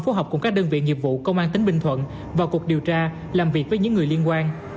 phối hợp cùng các đơn vị nghiệp vụ công an tỉnh bình thuận vào cuộc điều tra làm việc với những người liên quan